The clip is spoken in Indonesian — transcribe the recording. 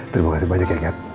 terima kasih banyak ya cat